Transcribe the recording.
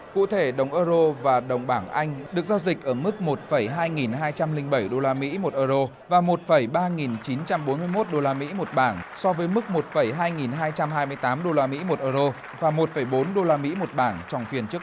cụ thể đồng euro và đồng bảng anh được giao dịch ở mức một hai